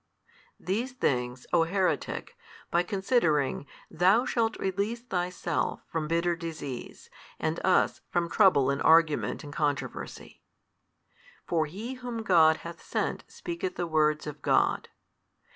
These things, o heretic, by considering, thou shalt release thyself from bitter disease, and us from trouble in argument |193 and controversy. For He Whom God hath sent speaketh the words of God.